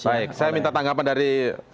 baik saya minta tanggapan dari